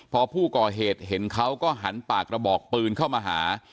พอผู้ก่อเหตุเห็นเขาก็หันปากกระบอกปืนเข้ามาหา